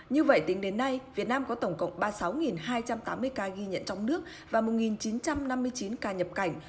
như vậy tính đến nay việt nam có tổng cộng ba mươi sáu hai trăm tám mươi ca ghi nhận trong nước và một chín trăm năm mươi chín ca nhập cảnh